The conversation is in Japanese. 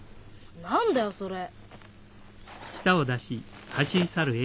何だよそれ。